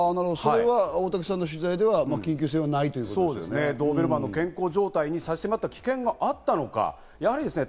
大竹さんの取材では緊急性はドーベルマンの健康状態に差し迫った状態が見られたのか。